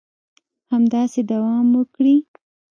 همداسې دوام وکړي